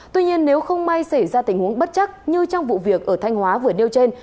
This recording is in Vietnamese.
tuy nhiên nếu không may xảy ra tình huống bất chắc như trong vụ việc ở thanh hóa vừa nêu trên